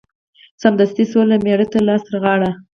سمدستي سوله مېړه ته لاس ترغاړه